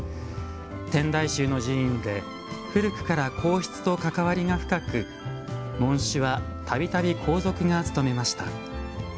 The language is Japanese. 天台宗の寺院で古くから皇室と関わりが深く門主はたびたび皇族が務めました。